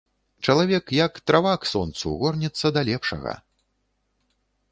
Чалавек, як трава к сонцу, горнецца да лепшага.